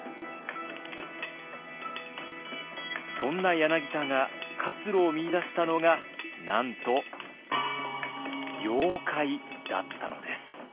そんな柳田が活路を見いだしたのがなんと妖怪だったのです。